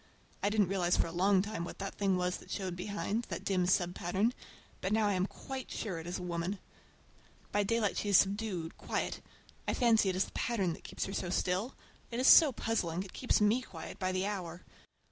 I didn't realize for a long time what the thing was that showed behind,—that dim sub pattern,—but now I am quite sure it is a woman. By daylight she is subdued, quiet. I fancy it is the pattern that keeps her so still. It is so puzzling. It keeps me quiet by the hour.